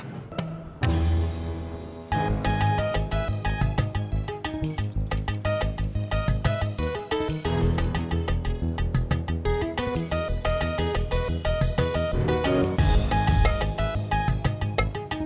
ketika anak anak menghadapi kejahatan